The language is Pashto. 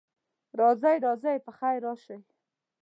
راځئ، راځئ، پخیر راشئ.